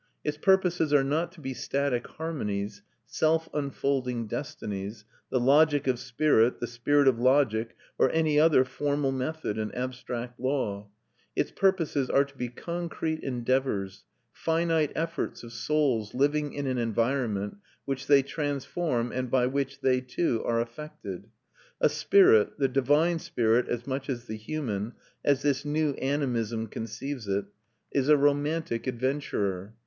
Its purposes are not to be static harmonies, self unfolding destinies, the logic of spirit, the spirit of logic, or any other formal method and abstract law; its purposes are to be concrete endeavours, finite efforts of souls living in an environment which they transform and by which they, too, are affected. A spirit, the divine spirit as much as the human, as this new animism conceives it, is a romantic adventurer.